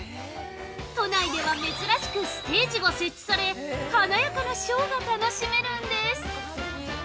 都内では珍しくステージが設置され、華やかなショーが楽しめるんです。